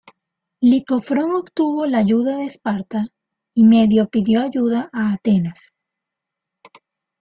Licofrón obtuvo la ayuda de Esparta y Medio pidió ayuda a Atenas.